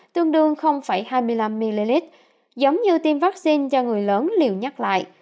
tương đương hai mươi năm ml giống như tiêm vaccine do người lớn liều nhắc lại